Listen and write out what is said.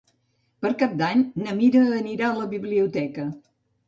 Per Cap d'Any na Mira anirà a la biblioteca.